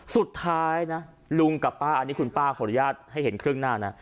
สุดท้ายนะลุงกับป้าอันนี้คุณป้าขออนุญาตให้เห็นครึ่งหน้านะ